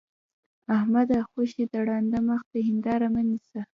احمده! خوشې د ړانده مخ ته هېنداره مه نيسه.